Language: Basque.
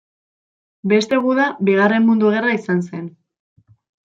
Beste guda Bigarren Mundu Gerra izan zen.